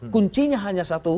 kuncinya hanya satu